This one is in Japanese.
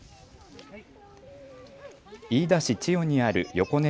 飯田市千代にあるよこね